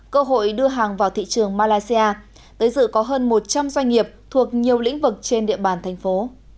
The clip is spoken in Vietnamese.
cơ hội đưa hàng vào thị trường malaysia tới dự có hơn một trăm linh doanh nghiệp thuộc nhiều lĩnh vực trên địa bàn thành phố